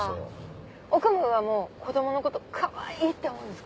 オカムーはもう子供のことかわいい！って思うんですか？